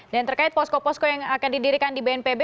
dan terkait posko posko yang akan didirikan di bnpb